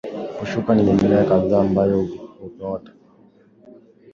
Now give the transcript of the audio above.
Pushuka ni Mimea kadhaa ambayo huota